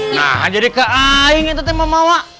nah jadi kak aing itu teh mama wa